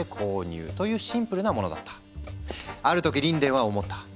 ある時リンデンは思った。